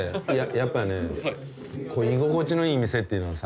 やっぱ居心地のいい店っていうのはさ